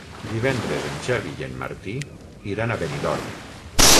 Divendres en Xavi i en Martí iran a Benidorm.